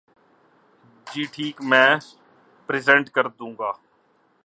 جی ٹھیک ہے میں پریزینٹ کردوں گا۔